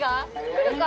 来るか？